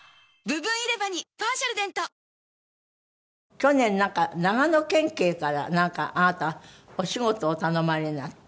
去年なんか長野県警からなんかあなたはお仕事をお頼まれになって。